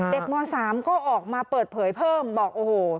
ม๓ก็ออกมาเปิดเผยเพิ่มบอกโอ้โห